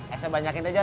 esok banyakin aja